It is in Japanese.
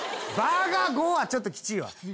バーガー５はちょっときついわ。